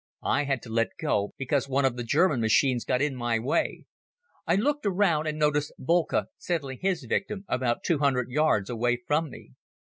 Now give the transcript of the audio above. I had to let go because one of the German machines got in my way. I looked around and noticed Boelcke settling his victim about two hundred yards away from me.